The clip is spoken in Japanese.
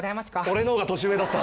俺の方が年上だった。